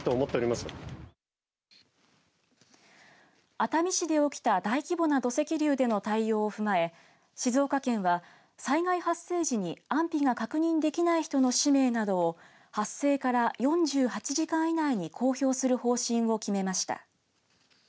熱海市で起きた大規模な土石流での対応を踏まえ静岡県は、災害発生時に安否が確認できない人の氏名などを発生から４８時間以内に公表する方針を決めました。